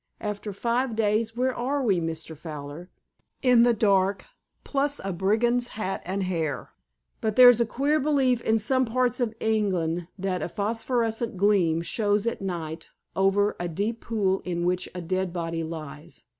After five days, where are we, Mr. Fowler? In the dark, plus a brigand's hat and hair. But there's a queer belief in some parts of England that a phosphorescent gleam shows at night over a deep pool in which a dead body lies.